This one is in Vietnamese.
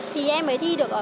thì em mới thi được